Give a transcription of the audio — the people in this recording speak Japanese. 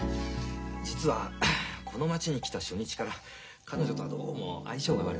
実はこの町に来た初日から彼女とはどうも相性が悪くて。